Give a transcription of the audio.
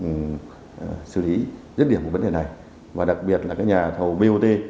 tỉnh hà nội cũng đã xử lý rất nhiều vấn đề này và đặc biệt là nhà thầu bot